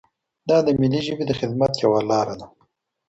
دا د ملي ژبي د خدمت یوه لاره ده.